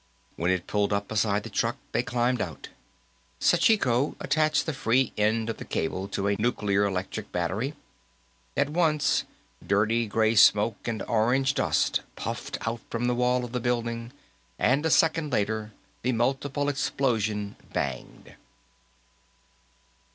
When it pulled up beside the truck, they climbed out; Sachiko attached the free end of the cable to a nuclear electric battery. At once, dirty gray smoke and orange dust puffed out from the wall of the building, and, a second later, the multiple explosion banged.